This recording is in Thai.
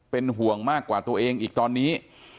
เป็นห่วงมากกว่าตัวเองอีกตอนนี้